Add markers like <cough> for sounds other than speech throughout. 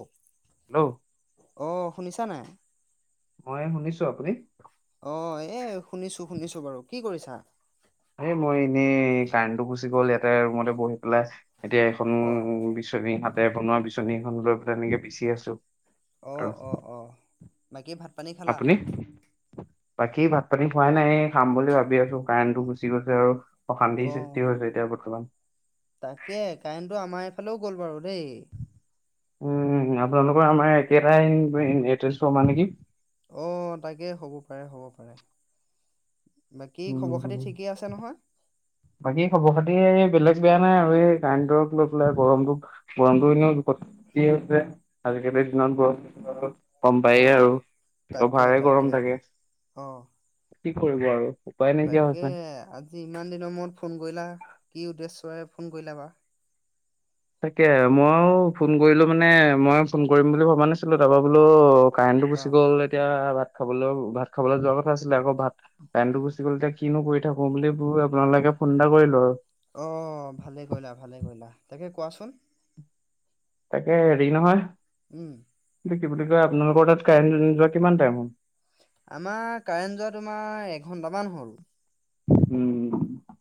অ hello! অ শুনিছা নাই? হয় শুনিছো। আপুনি? অ এ শুনিছো শুনিছো বাৰু। কি কৰিছা? এই মই এনেই কাৰেণ্টটো গুচি গ'ল ইয়াতে ৰুমতে বহি পেলাই এতিয়া এখন অ বিচনী, বিচনী হাতে বনোৱা বিচনী এখন লৈ পেলাই এনেকে বিচি আছো। অ আৰু অ অ বাকী ভাত পানী? খালা? আপুনি? বাকী ভাত পানী খোৱাই নাই। এ খাম বুলি ভাবি আছো কাৰেণ্টো গুচি গৈছে আৰু। অ অশান্তিৰ সৃষ্টি হৈছে এতিয়া বৰ্তমান। তাকে কাৰেণ্টটো আমাৰ এইফালেও গ'ল বাৰু দেই। উম আপোনালোকৰ আমাৰ একেটাই এ ট্ৰান্সফৰ্মাৰ নেকি। অ তাকে হ'ব পাৰে হ'ব পাৰে। বাকী খবৰ খাতি উম ঠিকেই আছে নহয়? বাকী খবৰ খাতি এই বেলেগ বেয়া নাই আৰু এই কাৰেণ্টক লৈ পেলাই গৰমটো। গৰমতো এনেও <unintelligible> হৈছে, আজিকালিৰ দিনত বৰ <unintelligible> গম অ পায়েই আৰু। তাকে অভাৰে গৰম তাকে। থাকে। অ কি কৰিব আৰু। উপায় নাইকিয়া তাকে হৈছে। আজি ইমান দিনৰ মূৰত ফোন কৰিলা। কি উদ্দেশ্যৰে ফোন কৰিলা বা? তাকে মইও ফোন কৰিলো মানে মই ফোন কৰিম বুলি ভবা নাছিলো তাৰপৰা বোলো কাৰেণ্টটো অ গুচি গ'ল এতিয়া ভাত খাবলৈ ভাত খাবলৈ যোৱাৰ কথা আছিলে আকৌ ভাত কাৰেণ্টটো গুচি গ'ল এতিয়া কিনো কৰি থাকো বুলি বোলো আপোনালোকে ফোন এটা কৰিলো আৰু। অ ভালে কৰিলা ভালে কৰিলা তাকে কোৱাচোন তাকে হেৰি নহয়, উম। এইটো কি বুলি কয় আপোনালোকৰ তাত কাৰেণ্ট যোৱা কিমান টাইম হল? আমাৰ কাৰেণ্ট যোৱা তোমাৰ এঘন্টামান হল। উম।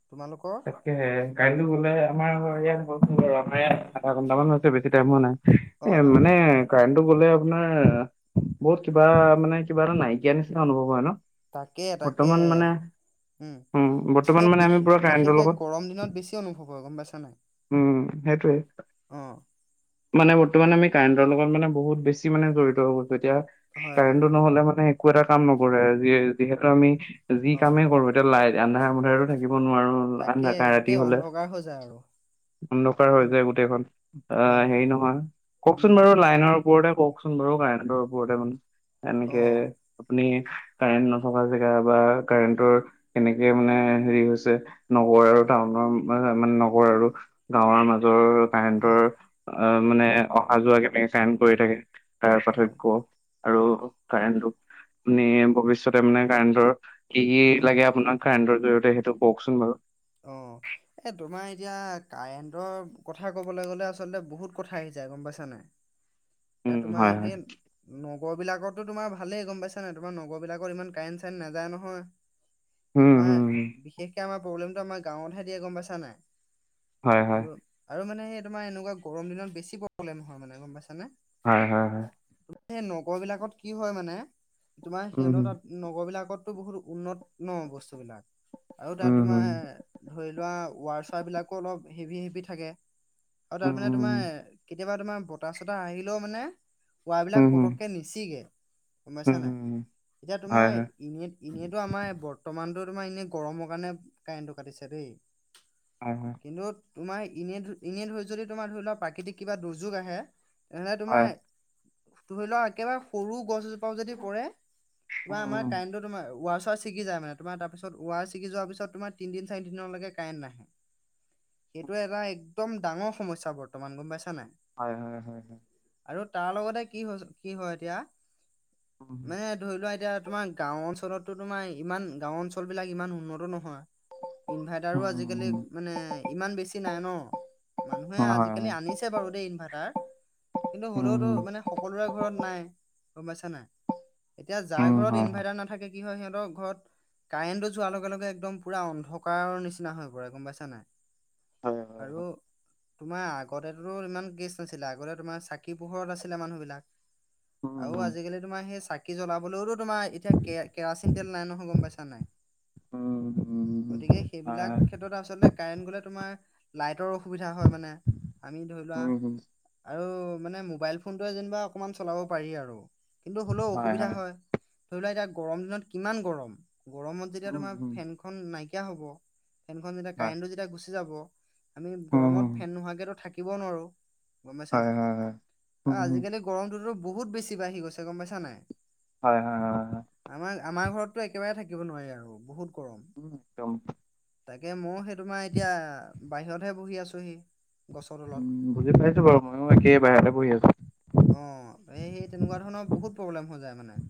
তোমালোক তাকে কাইলৈ গলে আমাৰ ঘ ইয়াত গলোন আমাৰ ইয়াত আধা ঘণ্টাামান হৈছে বেছি টাইম হোৱা নাই। এ অ অ মানে কাৰেণ্টো গ'লে আপোনাৰ বহুত কিবা অ মানে কিবা এটা নাইকিয়া নিচিনা অনুভৱ হয় ন তাকে তাকে বৰ্তমান মানে উম বৰ্তমান এই মানে বিশ আমি পুৰা হেত বিশেষে লগত গৰম দিনত বেছি অনুভৱ হয় গম পাইছা নাই উম সেইটোৱে। অ মানে বৰ্তমান আমি কাৰেণ্টৰ লগত মানে বহুত বেছি মানে জড়িত হৈ গৈছোঁ তেতিয়া হয় হয় কাৰেণ্টো নহলে মানে একো এটা কাম নকৰে যি যিহেতু আমি। যি অ কামেই কৰো এতিয়া লাইট আন্ধাৰ হয় মন্ধাৰে হয় তু থাকিব নোৱাৰো। আন্ধা তাকে ৰাতি গোটেই হ'লে অন্ধকাৰ হৈ যায় আৰু অন্ধকাৰ হৈ উম যায় গোটেইখন। অ হয় হয় হেৰি নহয় উম কওকচোন বাৰু লাইনৰ ওপৰতে কওকচোন বাৰু কাৰেণ্টৰ ওপৰতে মানে অ এনেকে আপুনি কাৰেণ্ট নথকা জেগা বা কাৰেণ্টৰ তেনেকে মানে হেৰি হৈছে নগৰ আৰু টাউনৰ মানে নগৰ আৰু গাঁৱৰ মাজৰ কাৰেণ্টৰ হয় অ মানে অহা যোৱা কেনেকে কাম কৰি থাকে তাৰ হয় পাৰ্থক্য আৰু কাৰেণ্টটো আপনি ভৱিষ্যতে মানে কাৰেণ্টৰ কি কি উম লাগে আপোনাক। কাৰেণ্টৰ জৰিয়তে সেইটো কওঁকচোন বাৰু অঁ এ তোমাৰ এতিয়া কাৰেণ্টৰ কথা কবলৈ গলে আচলতে বহুত কথা আহি যায় গম পাইছা নাই <inaudible> এতিয়া হয় তোমাৰ হয় হেন নগৰ বিলাকতো তোমাৰ ভালেই গম পাইছা নাই তোমাৰ নগৰ বিলাকত ইমান কাৰেণ্ট চাৰেণ্ট নাযায় নহয় <inaudible> তোমাৰ উম বিশেষকে আমাৰ প্ৰব্লেমটো আমাৰ গাঁৱতহে দিয়ে গম পাইছা নাই হয় হয় আৰু আৰু মানে হেই তোমাৰ এনেকুৱা গৰম দিনত বেছি প্ৰব্লেম হয় মানে গম পাইছানে হয় হয় হয় সেই নগৰ বিলাকত কি হয় মানে তোমাৰ উম সিহঁতৰ তাত নগৰ বিলাকতো বহুত উন্নত ন বস্তু বিলাক আৰু উম তাত তোমাৰ হম ধৰি লোৱা ৱাচাৰ বিলাকো অলপ হেভি হেভি থাকে আৰু উম তাত মানে তোমাৰ কেতিয়াবা তোমাৰ বতাহ চতাহ আহিলেও মানে ওৱাৰ উম বিলাক হম পতককে নি চিগে গম পাইছা নাই উম এতিয়া বেছিকে এতিয়া হয় তোমাৰ। হয় এনেই এনেইতো আমাৰ বৰ্তমানতটো তোমাৰ এনেই গৰমৰ কাৰণে কাৰেণ্টটো কাটিছে দেই হয় কিন্তু তোমাৰ এনে এনেই ধৰি যদি তোমাৰ ধৰি লোৱাক প্ৰাকৃতিক কিবা দুৰ্যোগ আহে এহে তোমাৰ হয় ধৰি লোৱা একেবাৰে সৰু গছ এযো পাও যদি পৰে তোমাৰ উম আমাৰ কাৰেন্তৰ তোমাৰ ওৱাছ ছিগি যায় মানে তোমাৰ তাৰপিছ ওৱাৰ ছিগি যোৱাৰ পিছত তোমাৰ তিদিন চাৰিদিনৰলৈকে কাৰেণ্ট নাহে সেইটো এটা একদম ডাঙৰ সমস্যা বৰ্তমান গম পাইছা নাই হয় হয় হয় আৰু তাৰ লগতে কি কি হয় এতিয়া উম মানে ধৰি লোৱা এতিয়া তোমাৰ গাও অঞ্চলতো তোমাৰ ইমান গাও অঞ্চল বিলাক ইমান উন্নত নহয় ইনভাৰ্টাৰো আজিকালি উম মানে ইমান বেছি নাই ন মানুহে হয় হয় আজিকালি আনিছ ছে বাৰু দেই ইনভাৰটাৰ কিন্তু উম হ'লেওতো মানে সকলোৰে ঘৰত নাই গম পাইছা নাই এতিয়া যাৰ উম ঘৰত হয় হয় ইনভাৰ্টাৰ নাথাকে কি হয় সিহঁতৰ ঘৰত কাৰেণ্টো যোৱাৰ লগে লগে একদম পুৰা অন্ধ ন্ধকাৰৰ নিচিনা হৈ পৰে গম পাইছা নাই হয় হয় হয় আৰু তোমাৰ আগতেতো ত' ইমান গেচ নাছিলে আগতে তোমাৰ চাকি পোহৰত আছিলে মানুহ বিলাক উম আৰু আজিকালি তোমাৰ সেই চাকি জ্বলাবলৈও তো তোমাৰ এতিয়া কে কেৰাচিন তেল নাই নহয় গ'ম পাইছা নাই? ওম গতিকে সেইবিলাক ক্ষেত্ৰত আচলতে কাৰেণ্ট গ'লে তোমাৰ লাইটৰ অসুবিধা হয় মানে। আমি ধৰি লোৱা উম আৰু মানে মোবাইল ফোনটোৱে যেনিবা অকমান চলাব পাৰি আৰু কিন্তু হ'লোও অসুবিধা হয়। ধৰি লোৱা এতিয়া গৰম দিনত কিমান গৰম গৰমত যেতিয়া তোমাৰ উম ফেনখন নাইকিয়া হ'ব ফেনখন যেতিয়া হয় কাৰেণ্ট টো যেতিয়া গুচি যাব। আমি উম গৰমত ফেন নোহোৱাকে টো থাকিবও নোৱাৰো। গম পাইছা হয় নাই? হয় হয় আ উম আজিকালি গৰমটোত' বহুত বেছি বাঢ়ি গৈছে গম পাইছা নাই? হয় হয় হয় হয়। আমাৰ আমাৰ ঘৰতো একেবাৰে থাকিব নোৱাৰি আৰু বহুত গৰম। উম একদম তাকে ময়ো সেই তোমাৰ এতিয়া বাহিৰতহে বহি আছোহি গছৰ তলত। উম বুজি পাইছো বাৰু ময়ো একেই বাহিৰতে বহি আছো। অঁ এই এই তেনেকুৱা ধৰণৰ বহুত প্ৰব্লেম হৈ যায় মানে।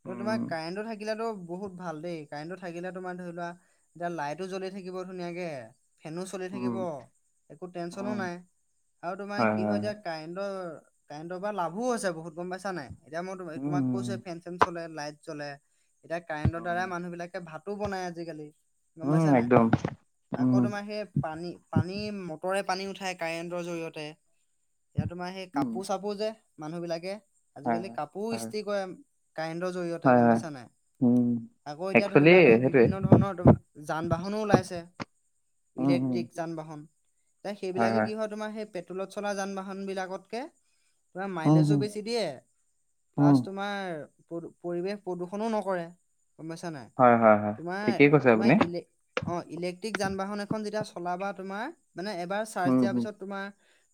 কিন্তু তোমাৰ উম কাৰেণ্টটো থাকিলেতো বহুত ভাল দেই কাৰেণ্টটো থাকিলে তোমাৰ ধৰি লোৱা এতিয়া লাইটো জ্বলি থাকিব ধুনীয়াকে, ফেনো চলি থাকিব। উম একো টেনচনো উম নাই আৰু তোমাৰ কি হয় তিয়া কাৰেণ্টৰ কাৰেণ্টৰ পা লাভো হৈছে বহুত গম পাইছা নাই? এতিয়া মই তোমাক কৈছো উম, ফেন চেন চলে লাইট জ্বলে। এতিয়া কাৰেণ্টৰ দ্বাৰা উম, মানুহ বিলাকে ভাতো বনাই আজিকালি। গম উম পাইছা নাই একদম। আকৌ উম, তোমাৰ সেই পানী পানী মটৰে পানী উঠাই কাৰেণ্টৰ জৰিয়তে। এতিয়া তোমাৰ সেই উম, কাপোৰ চাপোৰ যে, মানুহ বিলাকে হয়, আজিকালি হয়, কাপোৰ হয়, ইস্তি কৰে। কাৰেণ্টৰ জৰিয়তে হয়, গম হয়, পাইছা নাই? উম, আকৌ এতিয়া ধৰি একচুৱেলি লোৱা ত সেইটোৱে বিভিন্ন ধৰণৰ যান বাহনো ওলাইছে। উম, উম, ইলেক্ট্ৰিক যান বাহন। এ সেইবিলাকে কি হয় তোমাৰ সেই পে'ট্ৰলত চলা যান বাহন বিলাকতকে তোমাৰ উম, মাইলেজো উম, বেছি দিয়ে প্লাছ উম, তোমাৰ প পৰিৱেশ প্ৰদূষণো নকৰে। গ'ম পাইছা নাই হয়, হয়, হয়, তোমাৰ ঠিকেই কৈছে তোমাৰ আপুনি ইলে অঁ ইলেক্ট্ৰিক যান বাহন এখন যেতিয়া চলাবা তোমাৰ মানে এবাৰ চাৰ্জ উম, দিয়াৰ উম, পিছত তোমাৰ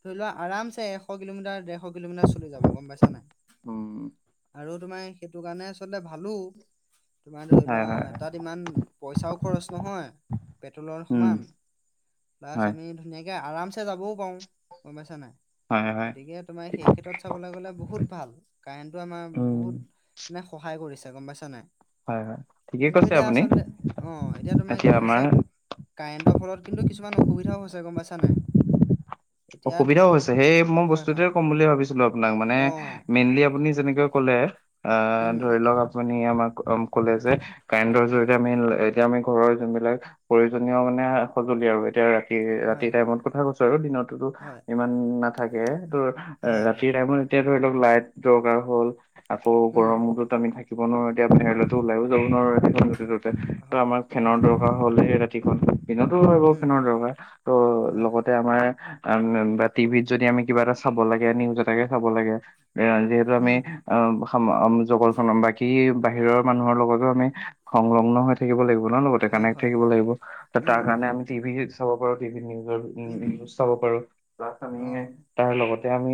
ধৰি লোৱা আৰমছে এশ কিলোমিটাৰ ডেৰ শ কিলোমিটাৰ চলি যাব গম পাইছা নাই? উম, আৰু তোমাৰ সেইটো কাৰণে আচলতে ভালো, তোমাৰ ধৰি হয়, লোৱা হয়, হয়। তাত ইমান পইছাও খৰচ নহয়, পেট্ৰলৰ উম, সমান। প্লাচ হয়, আমি ধুনীয়াকে আৰাম চে যাবও পাৰোঁ। গম পাইছা নাই? হয়, হয়, গতিকে তোমাৰ ঠিক- সেই ক্ষেত্ৰত চাবলৈ গ'লে বহু হুত ভাল কাৰেণ্টটো আমাৰ উম, বহুত মানে সহায় কৰিছে গ'ম পাইছা নাই? হয় হয়। ঠিকেই কৈছে আপুনি। অঁ, এতিয়া তোমাৰ কি হৈছে কাৰেণ্টৰ ফলত কিন্তু কিছুমান অসুবিধাও হৈছে গ'ম পাইছা নাই? এতিয়া অসুবিধাও হৈছে, সেই মই হয় বস্তুতোৱে হয় ক'ম বুলি ভাবিছিলোঁ আপোনাক মানে অ মেইনলি আপুনি যেনেকৈ ক'লে অ' উম ধৰি লওঁক আপুনি আমাক ক'লে যে কাৰেণ্টৰ হয় জৰিয়তে আমি এতিয়া আমি ঘৰৰ যোন বিলাক প্ৰয়োজনীয় মানে সঁজুলি আৰু এতিয়া তি ৰাতি হয় হয় টাইমত কথা কৈছো আৰু দিনতোতো হয় ইমান নাথাকে, ত' হয় হয় ৰাতিৰ টাইমত এতিয়া ধৰি লওক লাইট দৰকাৰ হ'ল, আকৌ উম গৰমত তো আমি থাকিব নোৱাৰো। এতিয়া বাহিৰতো ওলাইও যাব নোৱাৰোঁ এ য ত'তে ত হয় আমাৰ ফেনৰ হয় হয় দৰকাৰ হলে ৰাতিখন দিনতো হয় বাৰু উম খনৰ দৰকাৰ ত' হয় লগতে আমাৰ। <inaudible> বা টিভিত যদি আমি কিবা এটা চাব লাগে নিউজ এটাকে চাব লাগে যিহেতু আমি। উম অ <inaudible> জগতখনৰ বাকী বাহিৰৰ মানুহৰ লগতও আমি সংলগ্ন হৈ। থাকিব লাগিব ন লগতে হয় কনেক্ট হয় থাকিব হয় লাগিব তাৰ উম কাৰণে আমি টিভি চাব পাৰো টিভি নিজৰ। উম চাব পাৰো প্লাছ আমি। অ', তাৰ লগতে আমি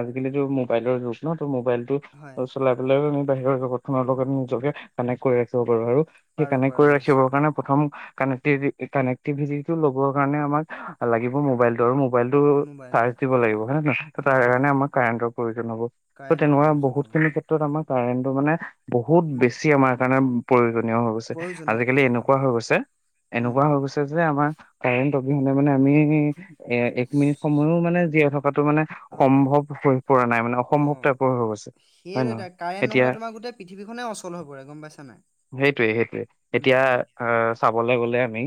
আজিকালিটো মোবাইলৰ যুগ ন মোবাইলতটো হয় চলা। <inaudible> বাহিৰৰ জগত খনৰ লগত নিজকে কানেক্ট কৰি ৰাখিব পাৰোঁ আৰু সেই পাৰোঁ কানেক্ট পাৰোঁ কৰি ৰাখিবৰ নিশ্চয় কাৰণে। প্ৰথম কানেক্টি কানেক্টিভিটিটো লবৰ কাৰণে আমাক লাগিব মোবাইল। ত মোবাইলতটো মোবাইল চাৰ্জ হয়। দিব লাগিব হয় নে নহয় তাৰ হয় হয় কাৰণে আমাৰ কাৰেন্টৰ প্ৰয়োজন হব। ত কাৰেণ্টৰ তেনেকুৱা প্ৰয়োজন বহুত হ'ব খিনি হয় ক্ষেত্ৰত আমাৰ কাৰেন্টো মানে বহুত উম, বেছি আমাৰ কাৰণে। প্ৰয়োজনীয় হৈ গৈছে প্ৰয়োজনীয় আজিকালি প্ৰয়োজনীয় এনেকুৱা হয় হৈ গৈছে উম। এনেকুৱা হৈ গৈছ। এ যে আমাৰ কাৰেণ্ট অবিহনে মানে আমি। এ এক মিনিট সময়ো মানে জীয়াই থকাটো মানে। হয় সম্ভৱ হৈ পৰা নাই মানে অসম্ভৱ টাইপৰ হৈ গৈছে। হয় সেইয়টো নহয় এতিয়া কাৰেণ্ট এতিয়া নহলে তোমাৰো গোটেই পৃথিৱীনে অচল হৈ পৰে গম পাইচা নাই। সেইটোৱে সেইটোৱে উম, এতিয়া উম, আ চাবলৈ গ'লে আমি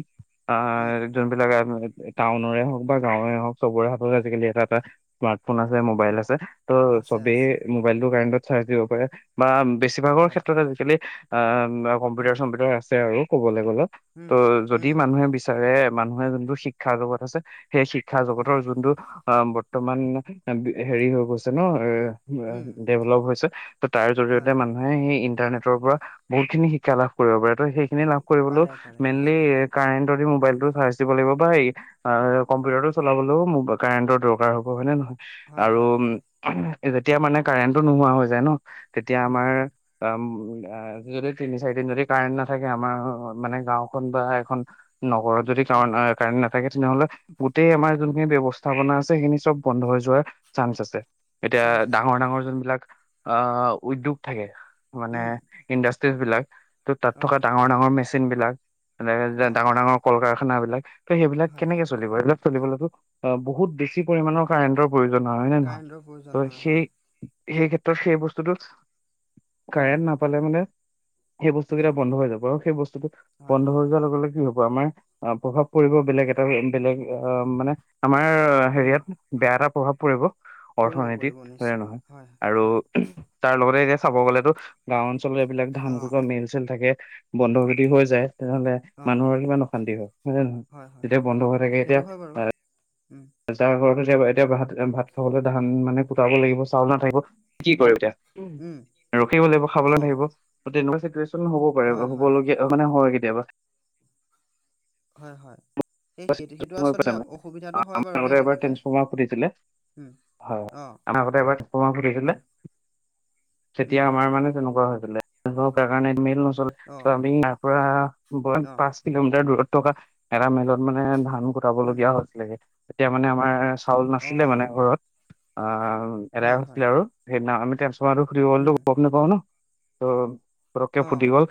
আ। উম, যোনবিলাক আ <inaudible> টাউনৰে হওক। বা গাঁৱেৰে হওক চবৰে হাতত আজিকালি এটা এটা স্মাৰ্টফোন আছে মোবাইল আছে। ত আছে চবেই আছে মোবাইলতো কাৰেণ্টত চাৰ্জ দিব পাৰে বা বেছিভাগৰ হয় ক্ষেত্ৰত আজিকালি। অ উম, কম্পিউটাৰ চম্পিউটাৰ আছে আৰু কবলৈ গ'লে উম, ত' যদি উম, মানুহে বিচ। চাৰে মানুহে যোনটো শিক্ষা জগত আছে সেই শিক্ষা জগতৰ হয় যোনটো। অ বৰ্তমান হেৰি হৈ গৈছে ন এ। উম, ডেভলপ হৈছে ত তাৰ জৰিয়তে হয় মানুহে সেই ইন্টাৰনেটৰ পৰা বহুতখিনি শিক্ষা লাভ। কৰিব পাৰে ত সেইখিনি লাভ কৰিবলৈও পাৰে পাৰে মেনলি নিশ্চয় কাৰেন্তৰ দি মোবাইল উম, টো ফাৰ্ষ্ট। দিব লাগিব বা এই কম্পিউটাৰটো চলাবলৈও কাৰেন্টৰ দৰকাৰ হ'ব হয় নে নহ। হয় আৰু হয় হয় <inaudible> যেতিয়া মানে কাৰেণ্টো নোহোৱা হৈ যায় ন তেতিয়া উম, আমাৰ। অ <inaudible> যদি তিনি চাৰিদিন যদি কাৰেণ্ট নাথাকে আমাৰ মানে গাওঁখন বা এখন। নগৰত যদি কাৰ উম, কাৰেণ্ট নাথাকে তেনেহ'লে। গোটেই আমাৰ যোনখিনি ব্যৱস্থাপনা আছে সেইখিনি চব বন্ধ হৈ যোৱাৰ চান্স আছে। এতিয়া চান্স আছে ডাঙৰ হয় ডাঙৰ যুনবিলাক আ উদ্যোগ থাকে মানে। উম, ইণ্ডাষ্ট্ৰীজ বিলাক, ত' তাত থকা অ', ডাঙৰ ডাঙৰ মেচিন বিলাক নে অ', ডাঙৰ ডাঙৰ। কল কাৰখান বিলাক তে সেইবিলাক হয় কেনেকৈ চলিব এইবিলাক চলিবলেটো বহুত বেছি পৰিমাণৰ কাৰেণ্টৰ। প্ৰয়োজন হয় হয় নে নহয় কাৰেণ্টৰ প্ৰয়োজন ত হয় সেই। হয়। সেই ক্ষেত্ৰত সেই বস্তুটো, উম, কাৰেণ্ট নাপালে মানে। সেই বস্তু উম, কেইটা বন্ধ হৈ যাব আৰু সেই বস্তুটো হয়, বন্ধ হয়, হৈ যোৱাৰ লগে লগে কি হব আমাৰ। অ', প্ৰভাৱ পৰিব বেলেগ এটা বেলেগ আ মানে আমাৰ উম, হেৰিয়াত। বেয়া এটা প্ৰভাৱ পৰিব পৰিব অৰ্থনীতিত, পৰিব হয়নে নিশ্চয় নহয় হয়, আৰু। হয়, তাৰ লগতে এতিয়া চাব গ'লেতো গাঁও অঞ্চলত এইবিলাক ধান অ', কুটোৱা মিল। চলি থাকে বন্ধ যদি হৈ যায় তেনেহলে অ', মানুহৰ কিমান অশান্তি হয়। হয় নে হয়, নহয় হয়, যেতিয়া বন্ধ হৈ থাকে এতিয়া সেইটো হয় বাৰু উন। যাৰ ঘৰত এতিয়া, এতিয়া ভাত, ভাত খাবলৈ ধান মানে। শুকাব লাগিব চাউল নাথাকিব কি কৰে উম, এতিয়া ৰখিব লাগিব খাবলৈ অ', থাকিব। তেনেকুৱা চিটুৱেশ্যন হ'ব পাৰে হয়, হয়, হ'বলগীয়া মানে হয় কেতিয়াবা। হয়, হয়। সেই সেইটো <unintelligible> সেইটো আচলতে আমাৰ অসুবিধাটো আগতে হয় বাৰু দেই এবাৰ তেনেকে ট্ৰান্সফৰ্মাৰ ফুটিছিলে। উম, হয় অ', আমাৰ আগতে এবাৰ ট্ৰান্সপৰ্মাৰ উম, ফুটিছিলে তেতিয়া উম, আমাৰ মানে তেনেকুৱা হৈছিলে। তাৰ কাৰণে মিল নচলে অ', আমি তাৰ পৰা অ', পাঁচ কিলোমিটাৰ দূৰত থকা এটা মিলত মানে ধান উম, কুটাবলগীয়া হৈছিলগে তেতিয়া মানে আমাৰ চাউল নাছিলে মানে অ', ঘৰত আ এদাই হয়, হয়, হৈছিলে আৰু সেইদিনা আমি ট্ৰেঞ্চ পমাটো ফুটিব বুলিতো উম, গম নাপাওঁ ন ত পতককে ফুটি অ', গ'ল।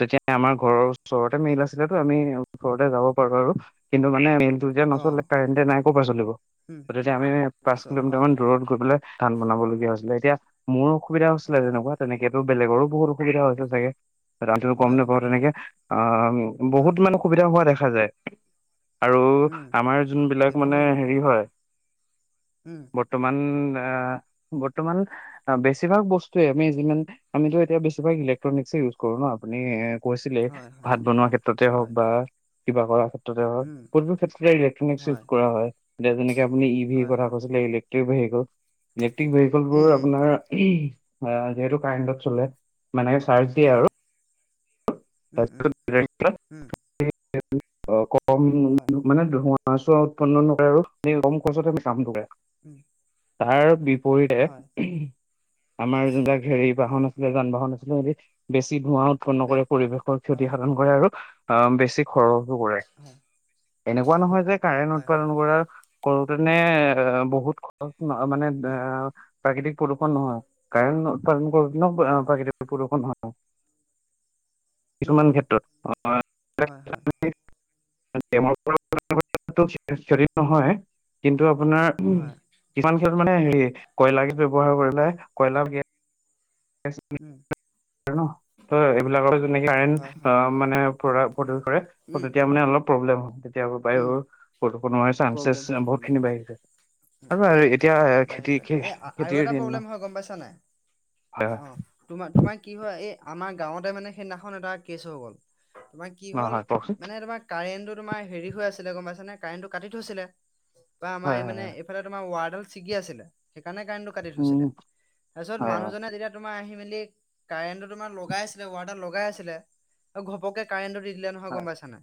তেতিয়া আমাৰ ঘৰৰ ওচৰতে মিল আছিলেতো আমি ওচৰতে যাব পাৰো আৰু কিন্তু মানে টো এতিয়া নচলে, অ', কাৰেণ্টে নাই ক'ৰ পৰা চলিব উম, গতিকে আমি পাঁচ চ কিলোমিটাৰ হয়, মান হয়, দূৰত গৈ পেলাই ধান বনাব লগীয়া হৈছিলে এতিয়া মোৰ অসুবিধা হৈছিলে হয়, যেনেকুৱা তেনেকেতো বেলেগৰো বহুত অসুবিধা হৈছে চাগে টোটো গম হয়, নাপাওঁ হয়, হয়, তেনেকে‌ আ হয়, বহুত মানে অসুবিধা হোৱা দেখা যায় আৰু উম, আমাৰ যোনবিলাক সেইটো মানে হেৰি হয় উঁহ বৰ্তমান, আ বৰ্তমান বেছিভাগ বস্তুৱে আমি যিমান আমিতো এতিয়া বেছিভাগ ইলেক্ট্ৰনিক ইউজ কৰো ন আপুনি‌ এ কৈছিলে হয়, হয়, ভাত বনোৱা ক্ষেত্ৰতে হয়, হওক বা কিবা কৰাৰ ক্ষেত্ৰতে হ উম, কতো ক্ষেত্ৰতে ইলেক্ট্ৰনিক ইউজ হয়, কৰা হয় যেনেকে আপুনি ই ভিৰ হয়, কথা হয়, কৈছিলে ই ভেহিকল ইলেক্ট্ৰিক ভেহিকল উম, বোৰ উম। আপোনাৰ যিহেতু কাৰেণ্টত চলে মানে চাৰ্জ দিয়ে হয় আৰু উম উম কম মানে উম ধোঁৱা ধোৱা ছোৱা উৎপন্ন হয় নকৰে আৰু এনেই কম খৰচতে আমি কাম কৰে উম তাৰ বিপৰীতে হয় আমাৰ যুনবিলাক হেৰি উম বাহন আছে যান বাহন আছিলে বেছি ধোঁৱা উৎপন্ন কৰে, পৰিৱেশৰ ক্ষতি হয় সাধন কৰে আৰু অ বেছি খৰচো কৰে এনেকুৱা নহয় যে কাৰেণ হয় হয় উৎপাদন কৰাৰ কৰোতেনে এ-এ বহুত খৰচ মা-মানে এ উম -এ প্ৰাকৃতিক প্ৰদূষণ নহয় কাৰেণ্ট উৎপাদন কৰোতেনো হয় প্ৰাকৃতিক প্ৰদূষুণ হয় উম কিছুমান উম ক্ষেত্ৰত হয় হয় নহয় কিন্তু আপোনাৰ উম কিছুমান খেতত মানে হয় হেৰি কয়লা কিছু ব্যৱহাৰ কৰিলে কয়লাৰ উম ন অ'ই, এইবিলাকৰ যনেকেই কাৰেণ্ হয় হয় মানে প্ৰ-প্ৰডিউ কৰে উম তেতিয়া মানে অলপ প্ৰব্লেম হয় তেতিয়া উম বায়ুৰ প্ৰদূষণ হোৱাৰ প্ৰব্লেম চান্ঞ্চেছ হয় বহুত প্ৰব্লেম খিনি হয় বাঢ়িছে আৰু হয় এতিয়া বাঢ়ি যায় এ আৰু খেতিৰ এটা দিন ন প্ৰব্লেম হয় গম পাইছা নাই হয় হয় অ তোমাৰ তোমাৰ কি হয় এই আমাৰ গাঁৱতে মানে সেইদিনাখন এটা কেচ হৈ গ'ল তোমাৰ কি ন হ'ল হয় কওকচোন মানে তোমাৰ কাৰেণ্টো তোমাৰ হেৰি হৈ আছিলে গম পাইছা নে কাৰেণ্টো কাটি থৈছিলে বা আমাৰ হয় এই হয় মানে হয় ফালে তোমাৰ ৱাৰডাল ছিগি আছিলে সেইকাৰণে কাৰেণ্টো কাটি থৈছিলে উম তাৰপিছত হয় হয় মানুহজনে যেতি তোমাৰ আহি মেলি কাৰেন্ট তোমাৰ লগাই আছিল ৱাৰ ডাল লগাই আছিলে উৱাৰ ডাল লগাই আছিলে ঘপককে কাৰেণ্টো দিলে নহয় গম হয় পাইছানে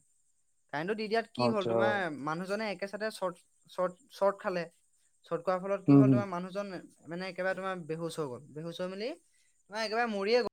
কাৰেণ্টো দি দিয়াত কি হ'ল আচ্ছা তোমাৰ মানুহজনে একেতে চ শৰ্ট চৰ্ট খালে চৰ্ট খোৱাৰ ফলত কি হ'ল উম তোমাৰ মানুহ মানে একেবাৰে তোমাৰ বেহুচ হৈ গ'ল বেহু হৈ মিলি তোমাৰ একেবাৰে মৰিয়ে গ'ল